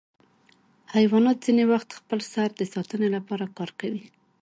حیوانات ځینې وختونه خپل سر د ساتنې لپاره کاروي.